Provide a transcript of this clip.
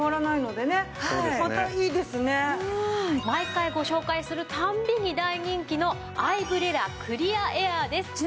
毎回ご紹介するたびに大人気のアイブレラクリアエアーです。